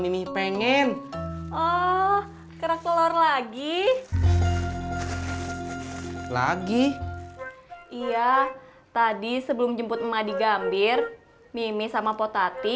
mimi pengen oh kerak telur lagi lagi iya tadi sebelum jemput emak digambir mimi sama potati